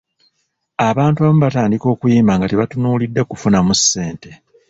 Abantu abamu batandika okuyimba nga tebatunuulidde kufunamu ssente.